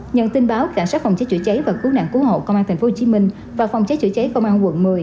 nhận tin báo cảnh sát phòng cháy chữa cháy và cứu nạn cứu hộ công an tp hcm và phòng cháy chữa cháy công an quận một mươi